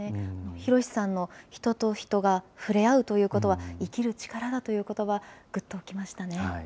寛さんの人と人が触れ合うということは、生きる力だということば、ぐっときましたね。